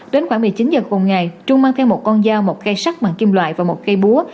đến khoảng một mươi chín h cùng ngày trung mang theo một con dao một cây sắt bằng kim loại và một cây búa